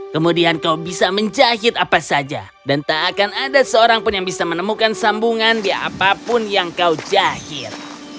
kemudian kau bisa menjahit apa saja dan tak akan ada seorang pun yang bisa menemukan sambungan di apapun yang kau jahit